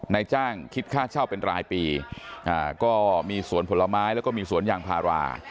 นายจ้างคิดค่าเช่าเป็นรายปีก็มีสวนผลไม้แล้วก็มีสวนยางพารา